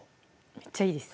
めっちゃいいです